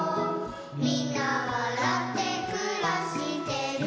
「みんなわらってくらしてる」